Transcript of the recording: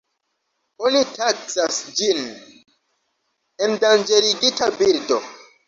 Oni taksas ĝin endanĝerigita birdo.